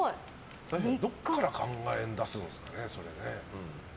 どこから考え出すんですかね。